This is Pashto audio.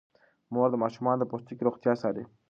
مور د ماشومانو د پوستکي روغتیا څاري.